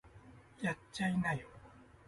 やっちゃいなよ